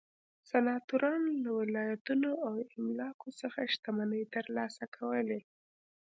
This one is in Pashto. سناتورانو له ولایتونو او املاکو څخه شتمنۍ ترلاسه کولې.